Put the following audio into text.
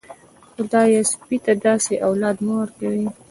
خدايه سپي ته داسې اولاد مه ورکوې.